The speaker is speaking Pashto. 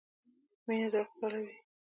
مينه زړه خوشحالوي